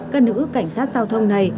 các nữ cảnh sát giao thông này